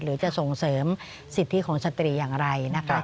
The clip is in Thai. หรือจะส่งเสริมสิทธิของสตรีอย่างไรนะคะ